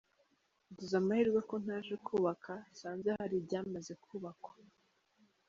Ngize amahirwe ko ntaje kubaka, nsanze hari ibyamaze kubakwa.